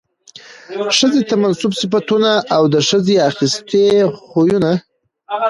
ښځې ته منسوب صفتونه او د ښځې اخىستي خوىونه